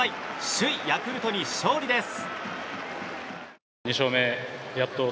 首位ヤクルトに勝利です。